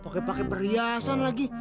pakai pakai perhiasan lagi